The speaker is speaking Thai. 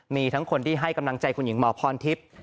มีทั้งคนที่ให้กำลังใจคุณหญิงหมอพรทิพย์